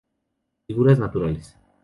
Figuras naturales.